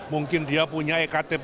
mungkin dia punya ektp